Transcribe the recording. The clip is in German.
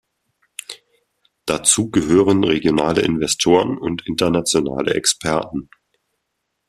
Dazu gehören regionale Investoren und internationale Experten.